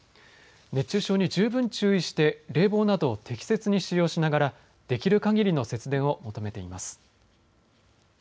熱中症に十分注意して冷房などを適切に使用しながらできるかぎりの節電を求めています。